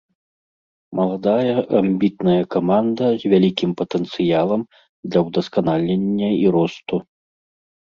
Маладая, амбітная каманда з вялікім патэнцыялам для ўдасканалення і росту.